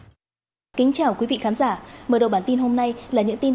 cảm ơn các bạn đã theo dõi